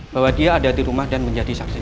bahwa dia ada di rumah dan menjadi saksi